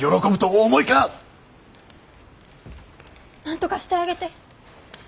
なんとかしてあげて。